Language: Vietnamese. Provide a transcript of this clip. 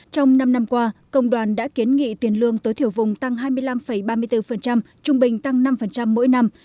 trong năm năm qua công đoàn đã kiến nghị tiền lương tối thiểu vùng tăng hai mươi năm ba mươi bốn trung bình tăng năm mỗi năm